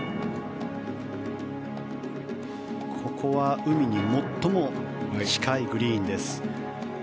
ここは海に最も近いグリーンです。